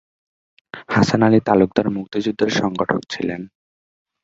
হাসান আলী তালুকদার মুক্তিযুদ্ধের সংগঠক ছিলেন।